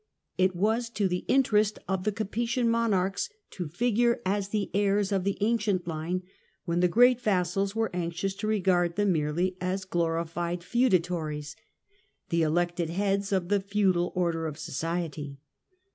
It was to the interest of the Capetian monarchs to figure as the heirs of the ancient line, when the great vassals were anxious to regard them merely as glorified feudatories, the elected heads of the feudal order of society.